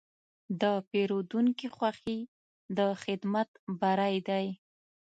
د پیرودونکي خوښي د خدمت بری دی.